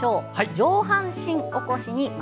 「上半身起こし」です。